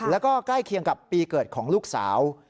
แล้วก็ใกล้เคียงกับปีเกิดของลูกสาว